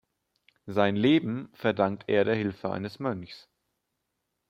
Sein Leben verdankt er der Hilfe eines Mönchs.